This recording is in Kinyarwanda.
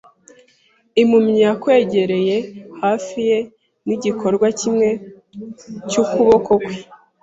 impumyi yankwegereye hafi ye nigikorwa kimwe cyukuboko kwe.